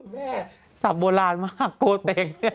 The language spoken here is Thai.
แม่สับโบราณมากกโรเทค